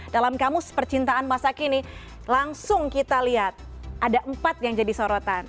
dalam kamus percintaan masa kini langsung kita lihat ada empat yang jadi sorotan